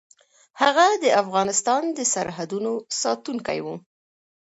هغه د افغانستان د سرحدونو ساتونکی و.